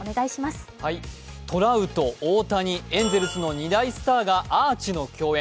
トラウト、大谷、エンゼルスの２大スターがアーチの競演。